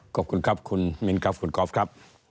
ขอบคุณครับคุณมิ้นครับคุณกอล์ฟครับ